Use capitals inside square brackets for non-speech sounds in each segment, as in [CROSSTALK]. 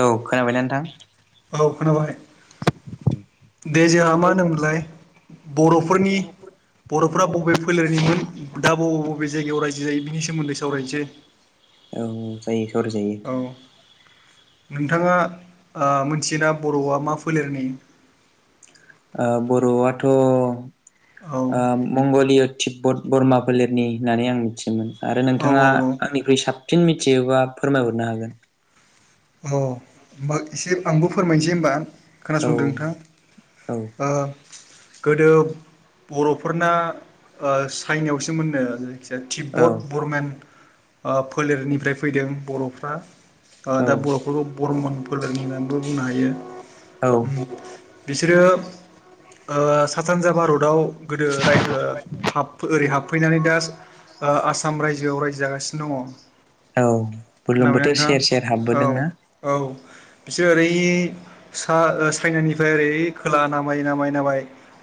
औ खोनाबायना नोंथां। औ खोनाबाय। दे जाहा मा होनोमोनलाय? बर'फोरनि बर'फोरा बबे फोलेरनिमोन दा बबे बबे जायगायाव रायजो जायो बिनि सोमोन्दै सावरायनोसै। औ जायो साव औ। नोंथाङा मिथियोना बर'आ मा फोलेरनि बर'आथ' औ मंगलिय तिब्बत बरमा फोलेरनि होननानै आं मिथियोमोन आरो औ नोंथाङा औ औ आंनिख्रुइ साब फिन मिथियोबा फोरमायहरनो हागोन। औ होमबा एसे आंबो फोरमायसै होनबा। औ खोनासंदो नोंथां औ ओ गोदो बर'फोरना ओ चाइनायावसो मोननो जेखि ओ तिब्बथ बरमेन ओ फोलेरनिफ्राय फैदों बर'फ्रा ओ औ दा बर' बरमन फोलेरनि होननानैबो बुंनो हायो। औ उम। बिसोरो ओ साहा सानजा भारताव गोदो राय ओ हाब ओरै हाब फैनानै दास ओ आसाम रायजोआव रायजो जागासिनो दङ। औ खोनाबायना बुरलुंबुथोर नोंथां सेर सेर औ हाबबोदोंना? औ। बिसोर ओरै सा ओ चाइनानिफ्राय ओरै खोलाहा नामायै नामायै नामाय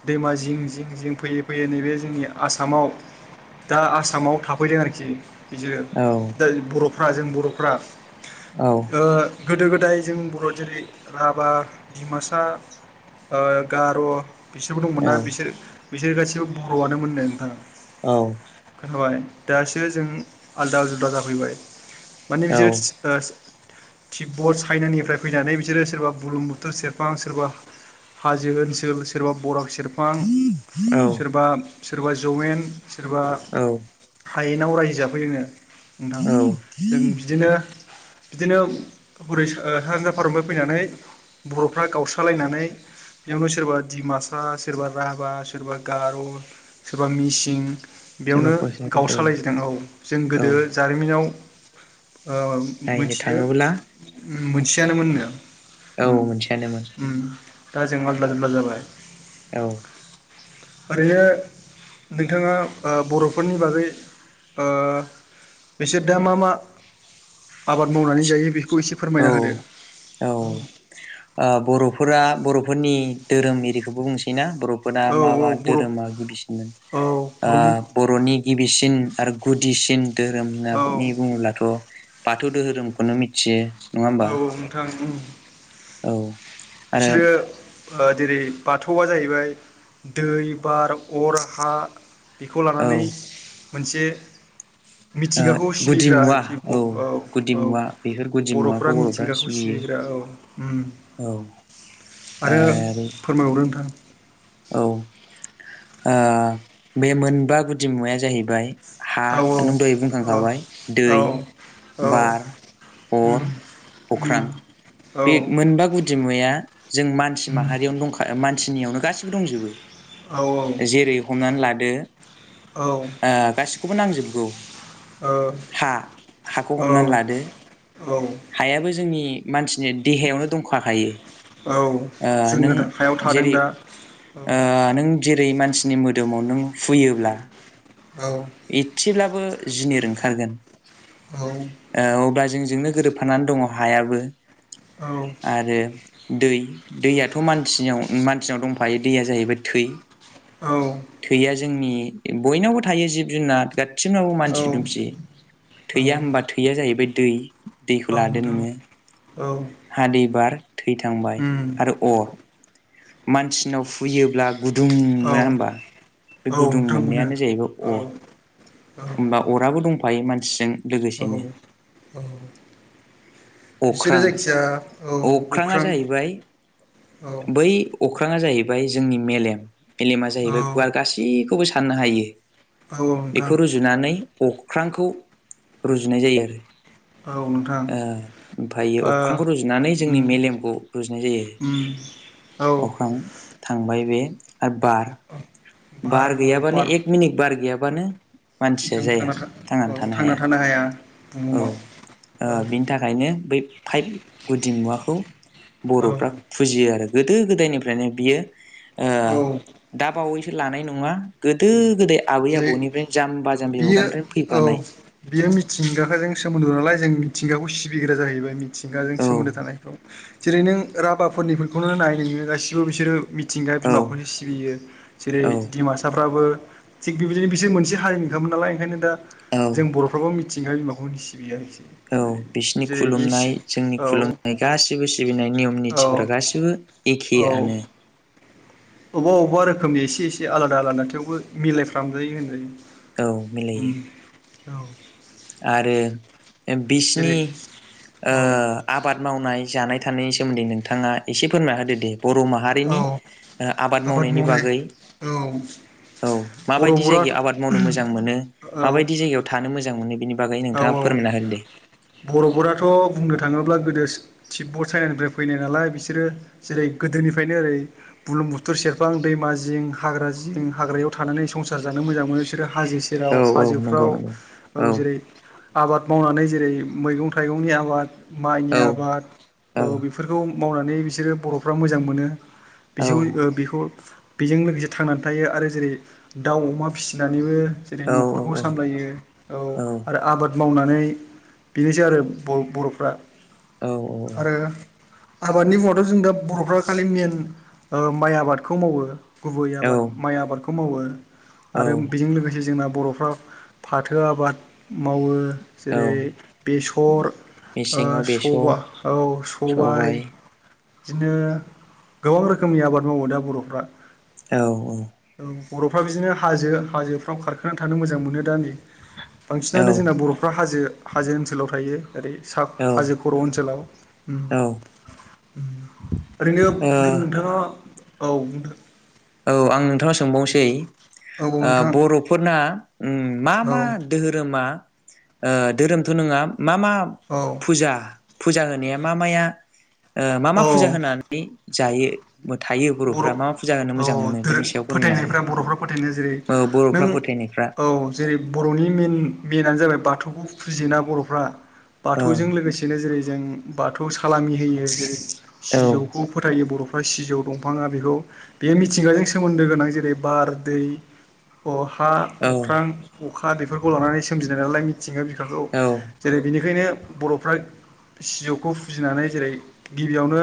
दैमा जिं जिं जिं फैयै फैयै नैबे जोंनि आसामाव दा आसामाव थाफैदों आरोखि। बिदिनो औ दा बर'फ्रा जों बर'फ्रा औ ओ गोदो गोदाय जों बर' जेरै राभा डिमासा ओ गार' बिसोरबो दंमोन ना औ बिसोर बिसोर गासिबो बर'आनो मोननो नोंथां। औ। खोनाबाय दासो जों आलदा जुदा जाफैबाय माने औ बिसोर सि ओ तिब्बत चाइनानिफ्राय फैनानै बिसोरो सोरबा बुरलुंबुथुर सेरफां सोरबा हाजो ओनसोल सोरबा बराक सेरफां औ सोरबा सोरबा जौयेन सोरबा औ हायेनाव रायजो जाफैयोनो नोंथां जों बिदिनो बिदिनो हरै सो ओ सा सानजा भारतनिफ्राय फैनानै बर'फ्रा गावस्रालायनानै बेयावनो सोरबा डिमासा सोरबा राभा सोरबा गार' सोरबा मिसिं सोरबा बेयावनो कसारि औ गावस्रालायजोदों औ जों औ गोदो जारिमिनाव ओ नायनो थाङोब्ला मोनसेयानो मोननो। औ मोनसेयानोमोन। दा जों आलदा जुदला जाबाय। औ। ओरैनो नोंथाङा ओ बर'फोरनि बागै ओ बिसोर दा मा मा आबाद मावनानै जायो बे औ औ ओ बर'फोरा बर' फोरनि धोरोम एरिखौबो बुंसैना? बर'फोरा औ मा औ मा बर' धोरोमा गिबिसिनमोन औ आ बर'नि बर'नि गिबिसिन आरो गुदिसिन धोरोम औ होननानै बुङोब्लाथ' बाथौ धोहोरोमखौनो मिथियो। नङा होमबा औ नोंथां उम। औ। आरो बिसोरो ओ जेरै बाथौआ जाहैबाय दै, बार, अर, हा बेखौ औ लानानै ओ मोनसे मिथिंगाखौ गुदि सिबिग्रा मुवा आरोखि औ बर ओ गुदि औ मुवा बेफोर गुदि मुवाखौ बर'फोरा बर'फ्रा मिथिंगाखौ सिबियो सिबि ग्रा औ उम। औ। आरो आरो फोरमायबावदो नोंथां। औ ओ बे मोनबा गुदि मुवाया जाहैबाय हा औ नों दहाय औ बुंखांखाबाय औ दै औ बार, उम अर, अख्रां। उम औ बे उम मोनबा गुदि मुवाया जों मानसि माहारियावनो दंखायो मान सिनियावनो गासिबो दंजोबो औ जेरै हमनानै लादो ओ आ गासिखौबो नांजोबगौ। हा हाखौ हमनानै लादो औ हायाबो जोंनि मानसिनि देहायावनो दंखाखायो। औ ओ नों जोङो दा हायाव थादों जेरै दा। औ ओ नों जेरै मानसिनि मोदोमाव नों फुयोब्ला औ एदसेब्लाबो बो जिनिर ओंखारगोन औ ओ अब्ला जों बेजोंनो गोरोबफानानै दङ हायाबो औ आरो दै दैयाथ मानसि मानसिनाव दंफायो दैया जाहैबाय थै औ। थैया जोंनि बयनावबो थायो जिब जुनार थिंनावबो मानसि दुमसि थैया होनबा थैया जाहैबाय दै दैखौ लादो नोंथां औ नोङो हा दै‌ बार थै थांबाय उम आरो अर मानसि सिनाव हुयोब्ला गुदुं औ मोना होमबा औ बे गुदुं नोंथां मोनो मोननायानो जाहैबाय औ अर। औ होमबा अराबो दंफायो मानसिजों औ लोगोसेनो औ। बिसोरो अख्रां जायखिजाया औ अख्रांङा अख्रां औ जाहैबाय औ बै अ अख्राङा जाहैबाय जोंनि मेलेम मेलेमा जाहैबाय गुवार औ गासैखौबो साननो हायो औ नोंथां बेखौ रुजुनानै अख्रांखौ रुजुनाय जायो आरो औ नोंथां ओ ओमफायो ओ अख्रांखौ रुजुनानै उम जोंनि मेलेमखौ रुजुनाय जायो। [UNINTELLIGIBLE] अख्रां थांबाय बे। आरो बार बार औ गैयाबानो बार एक मिनिट बार गैयाबानो मानसिया जों जाया थांना था थांनानै औ थांना थानो हाया औ बुहुमाव। ओ औ बिनि थाखायनो बै फाइभ गुदि मुवाखौ औ बरफ्रा फुजियो। आरो गोदो गोदायनिफ्रायनो बियो ओ औ। दा बावैसो लानाय नङा गोदो गोदाय आबै जेरै आबौनिफ्रायनो जाम्बा जाम्बि मुगानिफ्रायनो फैफानाय मिथिंगाखो सोमोन्दो नालाय जों मिथिंगाखौ सिबिग्रा जाहैबाय मिथिंगाजों औ सोमोन्दो थानायखौ जेरै नों राभाफोरनिफोरखौनो नाय नोङो गासिबो बिसोरो मिथि मिथिंगा औ बिमाखौनो सिबियो जेरै औ दिमासा फ्राबो थिग बेबिदिनो बिसोर मोनसे हारिनि खामोन नालाय ओंखायनो दा औ जों बरफ्राबो मिथिंगा‌ बिमाखोनो सिबियो आरो। औ बिसिनि खुलुमनाय जोंनि औ खुलुमनाय गासिबो सिबिनाय नियम औ निथिफोरा गासिबो एखे औ आनो। अबेबा अबेबा रोखोमनि एसे एसे आलादा आलादा थेवबो मिलायफ्रामजायो होनजायो औ मिलायो। औ। आरो जेरै बिसनि ओ औ आबाद मावनाय जानाय थानायनि सोमोन्दै नोंथाङा एसे फोरमायना होदो दे बर माहारिनि औ आबाद मावनायनि बागै औ औ माबायदि बर'फोरा जायगायाव आबाद मावनो मोजां मोनो औ माबायदि औ जायगायाव थानो मोजां मोनो। बिनि बागै औ नोंथाङा फोरमायना होदो दे बरफोराथ बुंनो थाङोब्ला गोदोस तिपबड चाइनानिफ्राय फैनाय नालाय बिसोरो जेरै गोदोनिफ्रायनो ओरै बुलुं बुथुर सेरफां दैमा जिं हाग्रा जिं जिं हाग्रायाव थानानै संसार जानो मोजां मोनो बिसोरो हाजो सेराव औ औ नंगौ हाजोफ्राव नंगौ औ जेरै आबाद मावनानै जेरै मैगं थाइगंनि आबाद माइनि औ आबाद औ ओ बेफोरखौ मावनानै बिसोरो बर'फ्रा मोजां मोनो बिसोर बेखौ बेजों लोगोसे थांनानै थायो आरो जेरै दाउ अमा फिसिनानैबो जेरै औ न'खरखौ औ सामलायो औ आरो आबाद मावनानै बेनोसै आरो बर'फ्रा। औ औ। आरो आबादनि मुङावथ' जों दा बर'फ्रा खालि मेन ओ माइ आबादखौ मावो। गुबै औ आबाद माइ आबादखौ मावो औ आरो बेजों लोगोसे जोंना बर'फ्रा फाथो आबाद मावो औ जेरै सर मेसेङाव ओ बेसर सबा औ सबाय बिदिनो गोबां रोखोमनि आबाद मावो दा बर'फ्रा। औ औ। बर'फ्रा बिदिनो हाजो हाजोफ्राव खारखोना थानो मोजां मोनो दा नै औ बांसिनानो जोंना बर'फ्रा हाजो हाजो ओनसोलाव थायो। ओरै सा औ हाजो खर' ओनसोलाव। औ ओ ओरैनो नों नोंथाङा औ नोंथां औ आं नोंथांनाव सोंबावनोसै औ ओ नोंथां बर'फोरना ओम मा मा औ धोहोरोमा ओ धोहोरोमथ' नङा मा मा फुजा फुजा होनाया मा माया ओ मा मा औ फुजा होनानै जायो? थायो बर'फोरा मा मा फुजा होनो मो अ धोरो फोथायनायफ्रा बर'फ्रा फोथायनाय जेरै औ नों बर'फ्रा फोथायनायफ्रा औ जेरै बर'नि मेन मेनानो जाबाय बाथौखो फुजियोना बर'फ्रा औ बाथौजों लोगोसेनो जेरै जों बाथौ सालामि होयो जेरै औ सिजौखौ फोथायो बर'फ्रा सिजौ दंफाङा बेखौ बेयो मिथिंगाजों सोमोन्दो गोनां जेरै बार दै अर हा औ अख्रां अखा बेफोरखौ लानानै सोमजिनाय नालाय। मिथिंगा बिखाखौ औ जेरै बिनिखायनो बर'फ्रा सिजौखौ फुजिनानै जेरै गिबियावनो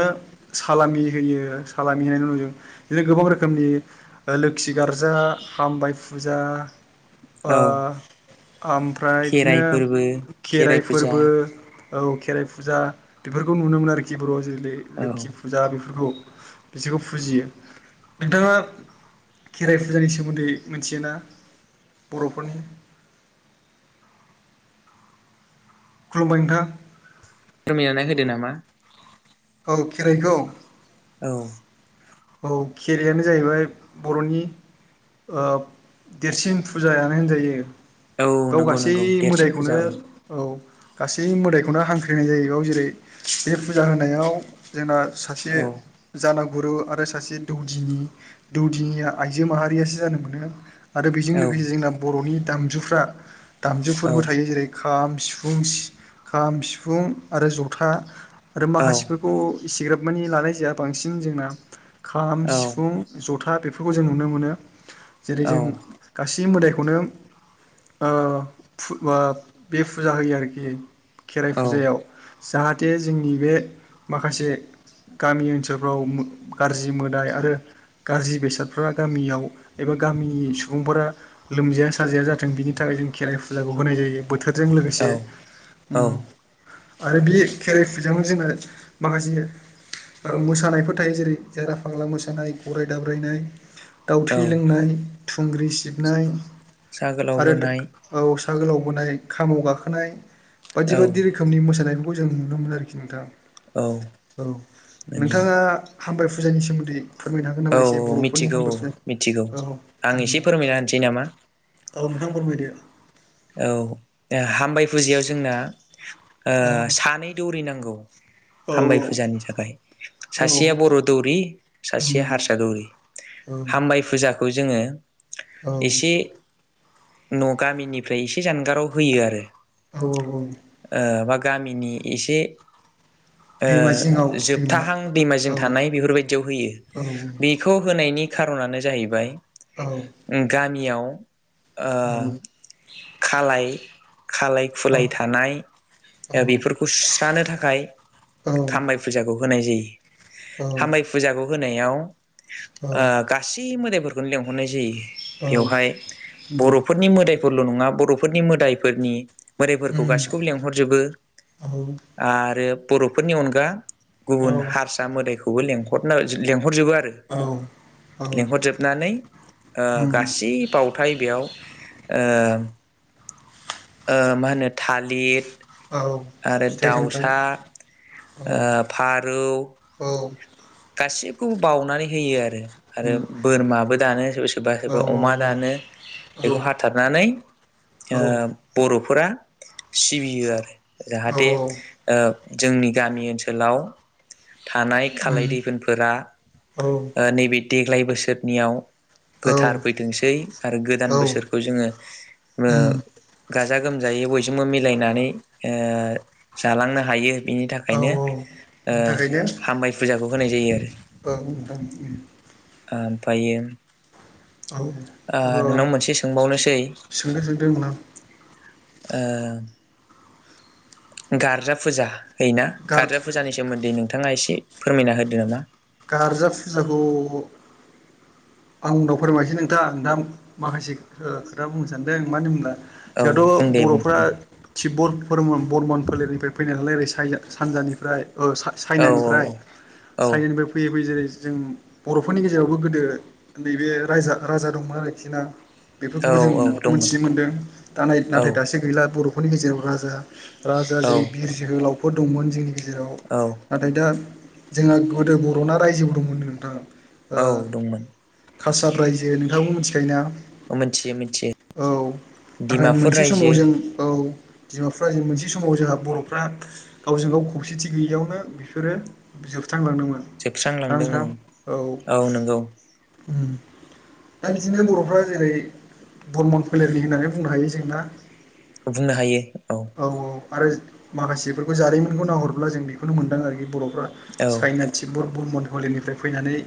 सालामि होयो सालामि होननायनि उनाव जों बिदिनो गोबां रोखोमनि लोखि गार्जा हामबाय फुजा ओ औ आमफ्राय खेराइ बिदिनो फोरबो खेराइ फोरबो औ खेराइ फुजा बेफोरखौ नुनो मोनो आरोखि बर'आव जेरै औ लोखि फुजा बेफोरखौ। बिसोरखौ फुजियो नोंथाङा खेराइ फुजानि सोमोन्दै मोनथियोना बर'फोरनि? [INAUDIBLE] खुलुमबाय नोंथां। फोरमायनानै होदो नामा? औ खेराइखौ? औ। औ खेरायानो जाहैबाय बर'नि ओ देरसिन फुजायानो होनजायो। औ बाव नंगौ गासै नंगौ देरसिन फुजा मोदायखौनो औ औ गासै मोदायखौनो हांख्रिनाय जायो बेयाव जेरै बे फुजा होनायाव जोंना सासे औ जानागुरु आरो सासे दौदिनि दौदिनिया आइजो माहारियासो जानो मोनो। आरो बेजों लोगोसे जोंना बर'नि दामजुफ्रा औ दामजुफोरबो थायो जेरै खाम, सिफुं फुं सि खाम सिफुं आरो जथा आरो औ माखासेफोरखौ इसिग्राब मानि लानाय जाया बांसिन जोंना खाम, औ सिफुं, जथा बेफोरखौ जों नुनो मोनो जेरै जों गासि मोदायखौनो ओ [UNINTELLIGIBLE] बे फुजा होयो आरोखि। खेराइ औ फुजायाव। जाहाथे जोंनि बे माखासे गामि ओनसोलफ्राव गाज्रि मोदाय आरो गाज्रि बेसादफ्रा गामियाव एबा गामिनि सुबुंफोरा लोमजाया साजाया जाथों बिनि थाखाय जों खेराइ फुजाखौ होनाय जायो। बोथोरजों लोगोसे औ ओम। आरो बे खेराइ फुजायावनो जोंना माखासे ओ मोसानायफोर थायो जेरै जारा फाग्ला मोसानाय, गराय दाब्रायनाय, दाउ औ थै लोंनाय थुंग्रि सिबनाय सा गोलाव आरो बोनाय। औ गोलाव बोनाय खामाव गाखोनाय बायदि औ बायदि रोखोमनि मोसानायफोरखौ जों नुनो मोनो आरोखि नोंथां औ औ नंगौ नोंथाङा हामबाय फुजानि सोमोन्दै फोरमायनो हागोन नामा औ एसे औ बर'फोरनि मिथिगौ औ हामबाय मिथिगौ औ आं एसे फोरमायना होनसै नामा ओ नोंथां फोरमायदो औ हामबाय फुजायाव जोंना ओ औ सानै दौरि नांगौ औ हामबाय फुजानि थाखाय औ सासेया बर' दौरि सासेया हारसा दौरि हामबाय फुजाखौ जोंङो औ न' गामिनिफ्राय एसे जानगाराव होयो आरो ओ [UNINTELLIGIBLE] बा गामिनि एसे ओ दैमा जिङाव दैमा जोबथाहां दैमाजों औ थानाय बेफोरबायदियाव होयो औ बेखौ होनायनि खारनानो जाहैबाय औ उम गामियाव ओ खालाय खालाय औ खुलाय थानाय बेफोरखौ सुस्रानो थाखाय खामबाय फुजाखौ होनाय जायो। खामबाय फुजाखौ होनायाव ओ गासै मोदायफोर खौनो लेंहरनाय जायो बेवहाय बर'फोरनि मोदायफोर ल' नङा बर'फोरनि मोदायफोरनि मोदायफोरखौ गाैखौबो लेंहरजोबो औ आरो बर'फोरनि अनगा गुबुन औ औ हारसा मोदायखौबो लेंहरनो लेंहरजोबो आरो औ औ लिंहरजोबनानै ओ उम गासै बावथाय बेयाव ओ ओ मा होनो थालित औ आरो फिथाइ सामथाइ दाउसा ओ औ फारौ औ गासिखौबो बाउनानै होयो आरो आरो उम बोरमाबो दानो सोरबा सोरबा औ सोरबा औ अमा दानो बेखौ हाथारनानै ओ औ बर' फोरा सिबियो आरो औ जाहाथे ओ जोंनि गामि ओनसोलाव थानाय खालाय दै उम फोनफोरा औ ओ नैबे देग्लाय बोसोरनियाव गोथार फैथोंसै आरो गोदान औ बोसोरखौ जोंङो ओ उम गाजा गोमजायै बयजोंबो मिलायनानै ओ जालांनो हायो बिनि औ थाखायनो ओ बिनि थाखायनो हामबाय फुजाखौ होनाय जायो आरो [UNINTELLIGIBLE] ओमफायो ओ नोंनाव मोनसे सोंबावनोसै सोंनो सोंदों नोंनाव ओ गारजा फुजा होयोना गार गार्जा फुजानि सोमोन्दै नोंथाङा एसे फोरमायना होदो नामा गारजा फुजाखौ आं उनाव फोरमायसै नोंथां दा माखासे ओ खोथा बुंनो सानदों मानो होनब्ला औ बुं जोंहाथ' दे बुं बर'फ्रा बुं थिबबर पर्मण बरमन फोलेरनिफ्राय फैनाय नालाय ओरै सायसा सानजानिफ्राय ओ औ चा-चाइनानिफ्राय औ चानानिफ्राय फैयो जेरै जों बर'फोरनि गेजेरावबो गोदो नैबे रायजा राजा दंमोन आरोखि ना औ बेफोरखौबो जों औ मोनो दंमोन मोनथिनो मोनदों दा नाय औ नाथाय दासो गैला बर'फोरनि गेजेराव राजा राजा औ जेरै बिर जोहोलावफोर दंमोन जोंनि गेजेराव औ नाथाय दा जोंना गोदो बर- 'ना रायजोबो दंमोननो नोंथां औ दंमोन खासार रायजो नोंथाङाबो मिथिखायो ना मिथियो मिथियो औ, नाथाय डिमापुर मोनसे समाव रायजो जों औ। डिमापुरा ओ मोनसे समाव जोंहा बर'फ्रा गावजों गाव खौसेथि गैयियावनो बिफोरो बिजाल फुथारलांदोंमोन ना नोंथां औ उम। दा बिदिनो बर'फ्रा जेरै बरमन फोलेरनि होननानै बुंनो हायो जों ना? बुंनो हायो औ। आरो माखासेफोरखौ जारिमिनखौ नाहरब्ला जों बेखौनो मोनदां आरोखि बर'फ्रा औ चायना, थिब्बट बर्मन फोलेरनिफ्राय फैनानै